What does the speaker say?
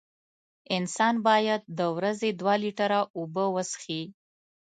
انسان باید د ورځې دوه لېټره اوبه وڅیښي.